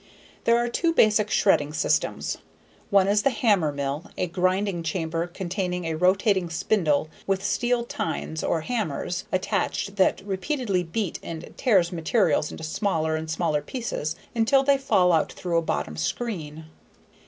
There are two basic shredding systems. One is the hammermill a grinding chamber containing a rotating spindle with steel tines or hammers attached that repeatedly beats and tears materials into smaller and smaller pieces until they fall out through a bottom screen.